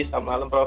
selamat malam prof